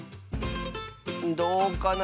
どうかな？